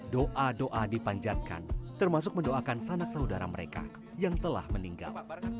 doa doa dipanjatkan termasuk mendoakan sanak saudara mereka yang telah meninggal